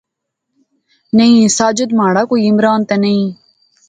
نئیں ساجد مہاڑا کوئی عمران تے نئیں